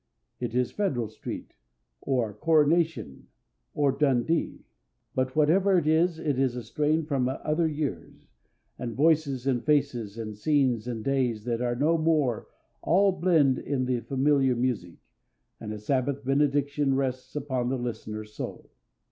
It is "Federal Street," or "Coronation," or "Dundee," but whatever it is, it is a strain from other years, and voices and faces and scenes and days that are no more all blend in the familiar music, and a Sabbath benediction rests upon the listener's soul.